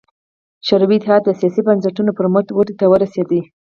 شوروي اتحاد د سیاسي بنسټونو پر مټ ودې ته ورسېد.